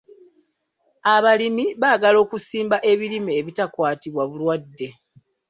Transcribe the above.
Abalimi baagala okusimba ebirime ebitakwatibwa bulwadde.